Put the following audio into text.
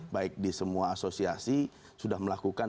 baik di semua asosiasi sudah melakukan